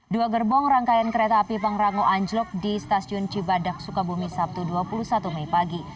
dua gerbong rangkaian kereta api pangrango anjlok di stasiun cibadak sukabumi sabtu dua puluh satu mei pagi